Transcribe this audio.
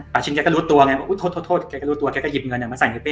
ชินแกก็รู้ตัวไงว่าโทษโทษแกก็รู้ตัวแกก็หยิบเงินมาใส่แก